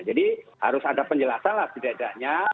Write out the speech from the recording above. jadi harus ada penjelasan lah tidak tidaknya